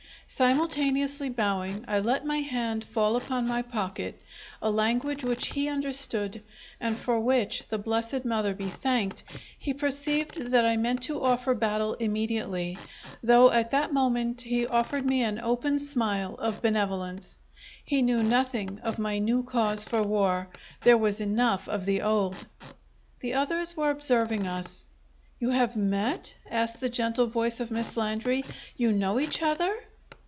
Simultaneously bowing, I let my hand fall upon my pocket a language which he understood, and for which (the Blessed Mother be thanked!) he perceived that I meant to offer battle immediately, though at that moment he offered me an open smile of benevolence. He knew nothing of my new cause for war; there was enough of the old! The others were observing us. "You have met?" asked the gentle voice of Miss Landry. "You know each other?"